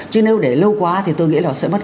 chứ nếu để lâu quá thì tôi nghĩ là sẽ mất